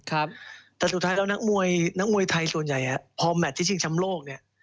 แต่สุดท้ายแล้วนักมวยไทยส่วนใหญ่อะพอแมทที่ชิงชำโลกเนี่ย